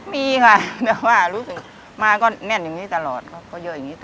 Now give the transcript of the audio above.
มีค่ะแต่ว่ารู้สึกมาก็แน่นอย่างนี้ตลอดครับก็เยอะอย่างนี้ตลอด